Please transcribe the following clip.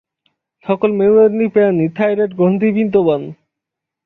সকল মেরুদন্ডী প্রাণীতে থাইরয়েড গ্রন্থি বিদ্যমান।